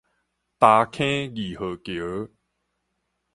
礁坑二號橋